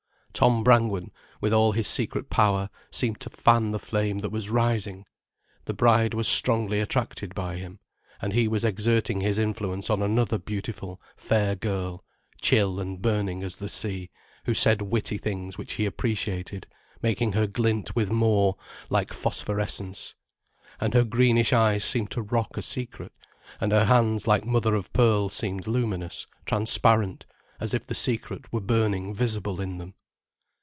Tom Brangwen, with all his secret power, seemed to fan the flame that was rising. The bride was strongly attracted by him, and he was exerting his influence on another beautiful, fair girl, chill and burning as the sea, who said witty things which he appreciated, making her glint with more, like phosphorescence. And her greenish eyes seemed to rock a secret, and her hands like mother of pearl seemed luminous, transparent, as if the secret were burning visible in them.